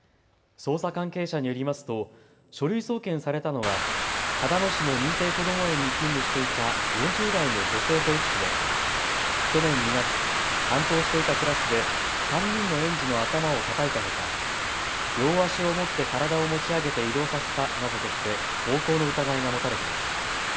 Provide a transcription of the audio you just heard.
捜査関係者によりますと書類送検されたのは秦野市の認定こども園に勤務していた４０代の女性保育士で去年２月、担当していたクラスで３人の園児の頭をたたいたほか、両足を持って体を持ち上げて移動させたなどとして暴行の疑いが持たれています。